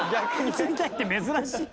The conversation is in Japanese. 映りたいって珍しいね。